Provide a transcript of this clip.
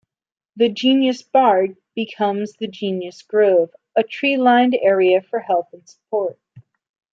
The "Genius Bar" becomes the "Genius Grove", a tree-lined area for help and support.